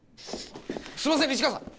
すいません西川さん。